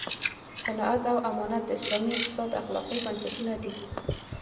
قناعت او امانت د اسلامي اقتصاد اخلاقي بنسټونه دي.